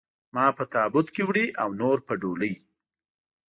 ما په تابوت کې وړي او نور په ډولۍ.